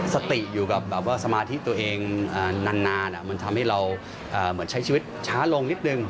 สติอยู่กับสมาธิตัวเองนานมันทำให้เราใช้ชีวิตช้าลงนิดหนึ่ง